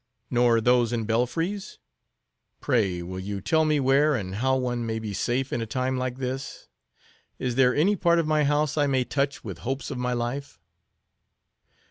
"Nor those in belfries? Pray, will you tell me where and how one may be safe in a time like this? Is there any part of my house I may touch with hopes of my life?"